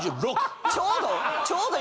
ちょうど。